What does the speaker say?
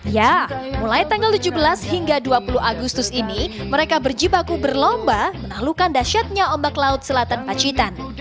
ya mulai tanggal tujuh belas hingga dua puluh agustus ini mereka berjibaku berlomba menaklukkan dasyatnya ombak laut selatan pacitan